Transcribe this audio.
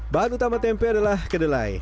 bahan utama tempe adalah kedelai